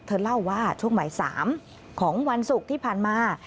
เธอเล่าว่าช่วงบ่าย๓ของวันศุกร์ที่ผ่านมา